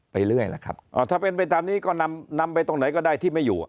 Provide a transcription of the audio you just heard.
เรื่อยล่ะครับอ๋อถ้าเป็นไปตามนี้ก็นำนำไปตรงไหนก็ได้ที่ไม่อยู่